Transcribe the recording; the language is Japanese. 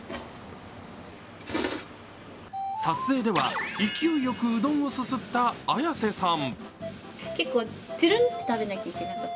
撮影では勢いよくうどんをすすった綾瀬さん。